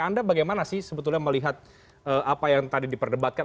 anda bagaimana sih sebetulnya melihat apa yang tadi diperdebatkan